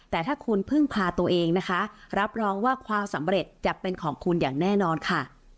แต่ถ้าคุณพึ่งพาตัวเองนะคะรับรองว่าความสำเร็จจะเป็นของคุณอย่างแน่นอนค่ะ